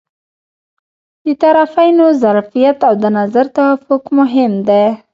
د طرفینو ظرفیت او د نظر توافق مهم دي.